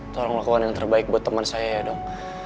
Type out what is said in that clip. tolong lakukan yang terbaik buat teman saya ya dok